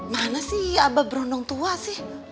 mana sih abah berundung tua sih